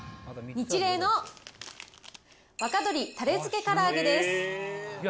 ニチレイの若鶏たれづけ唐揚げです。